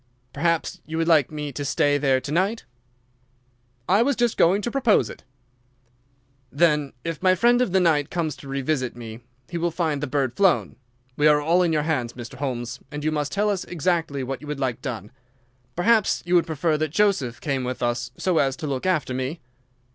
"Perhaps you would like me to stay there to night?" "I was just going to propose it." "Then, if my friend of the night comes to revisit me, he will find the bird flown. We are all in your hands, Mr. Holmes, and you must tell us exactly what you would like done. Perhaps you would prefer that Joseph came with us so as to look after me?"